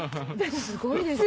すごいですよね。